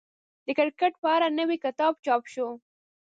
د کرکټ په اړه نوی کتاب چاپ شو.